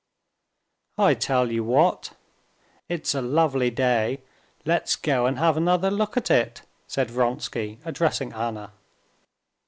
"I tell you what: it's a lovely day, let's go and have another look at it," said Vronsky, addressing Anna.